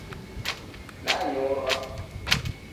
Nanyorwa